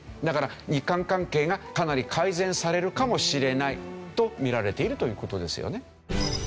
だから日韓関係がかなり改善されるかもしれないと見られているという事ですよね。